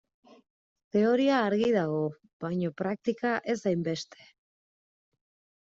Teoria argi dago, baina praktika ez hainbeste.